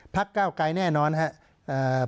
ก้าวไกรแน่นอนครับ